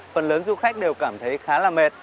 phần lớn du khách đều cảm thấy khá là mệt